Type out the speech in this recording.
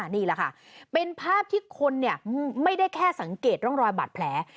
นี่แหละค่ะเป็นภาพที่คนไม่ได้แค่สังเกตร่องรอยบาดแผล